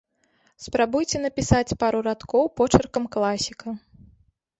Спрабуйце напісаць пару радкоў почыркам класіка!